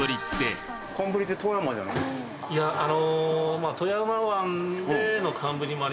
いやあの。